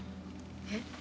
えっ？